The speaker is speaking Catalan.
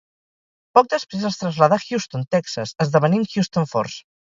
Poc després es traslladà a Houston, Texas esdevenint Houston Force.